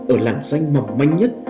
ở làng xanh mỏng manh nhất